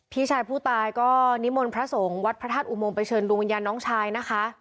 พี่ชายผู้ตายก็นิมนต์พระสงฆ์วัดพระธาตุอุโมงไปเชิญดวงวิญญาณน้องชายนะคะ